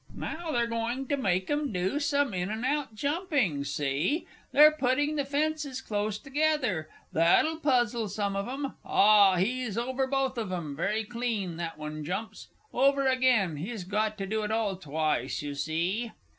Now, they're going to make 'em do some in and out jumping, see? they're putting the fences close together that'll puzzle some of them ah, he's over both of 'em; very clean that one jumps! Over again! He's got to do it all twice, you see.